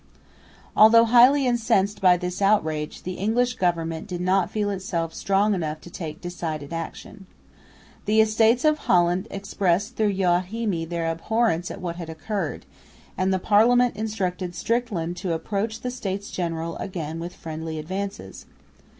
Although highly incensed by this outrage, the English Government did not feel itself strong enough to take decided action. The Estates of Holland expressed through Joachimi their abhorrence at what had occurred; and the Parliament instructed Strickland to approach the States General again with friendly advances.